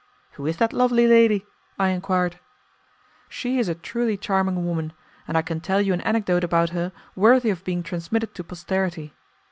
"Who is that lovely lady?" I enquired. "She is a truly charming woman, and I can tell you an anecdote about her worthy of being transmitted to posterity.